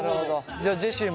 じゃあジェシーも。